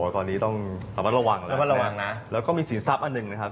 ก็ต้องระวังแล้วนะก็มีศีลทรัพย์อันนึงนะครับ